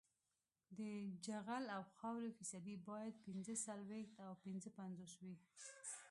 د جغل او خاورې فیصدي باید پینځه څلویښت او پنځه پنځوس وي